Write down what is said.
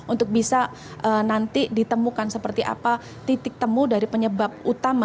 untuk bisa nanti ditemukan seperti apa titik temu dari penyebab utama